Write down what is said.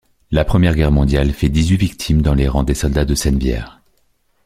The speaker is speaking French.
La Première Guerre mondiale fait dix-huit victimes dans les rangs des soldats de Sennevières.